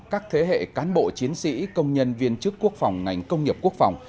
các thế hệ cán bộ chiến sĩ công nhân viên chức quốc phòng ngành công nghiệp quốc phòng